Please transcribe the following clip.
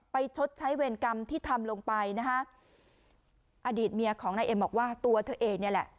ชดใช้เวรกรรมที่ทำลงไปนะฮะอดีตเมียของนายเอ็มบอกว่าตัวเธอเองเนี่ยแหละ